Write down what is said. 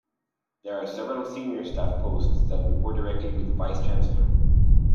There are several senior staff posts that report directly to the Vice Chancellor.